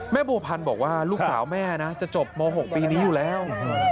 บัวพันธ์บอกว่าลูกสาวแม่นะจะจบม๖ปีนี้อยู่แล้ว